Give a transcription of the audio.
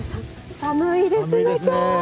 寒いですね、今日ね。